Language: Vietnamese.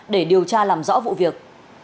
để điều tra làm rõ vụ việc